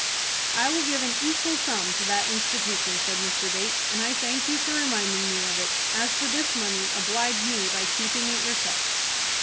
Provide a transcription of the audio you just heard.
"I will give an equal sum to that institution," said Mr. Bates, "and I thank you for reminding me of it. As for this money, oblige me by keeping it yourself."